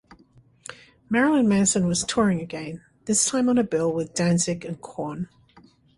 Marilyn Manson was touring again, this time on a bill with Danzig and Korn.